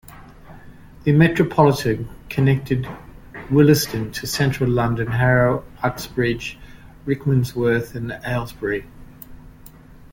The Metropolitan connected Willesden to Central London, Harrow, Uxbridge, Rickmansworth and Aylesbury.